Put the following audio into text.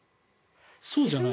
そうじゃない？